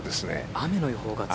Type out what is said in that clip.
雨の予報が強い。